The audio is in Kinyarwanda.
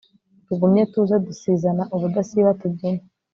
tugumye tuze dusizana ubudasiba, tubyine